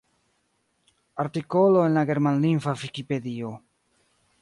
Artikolo en la Germanlingva vikipedio.